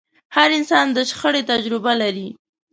هر انسان د شخړې تجربه لري.